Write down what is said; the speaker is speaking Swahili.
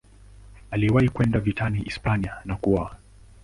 Aliwahi kwenda vitani Hispania na kuoa.